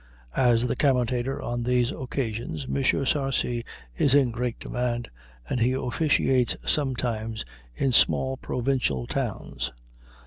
As the commentator on these occasions M. Sarcey is in great demand, and he officiates sometimes in small provincial towns.